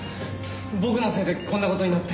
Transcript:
僕のせいでこんな事になって。